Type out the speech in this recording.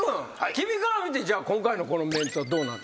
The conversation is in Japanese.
君から見てじゃあ今回のこのメンツはどうなんですか？